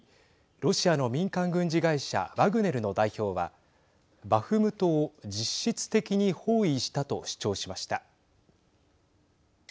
ロシアの民間軍事会社ワグネルの代表はバフムトを実質的に包囲したと主張しました。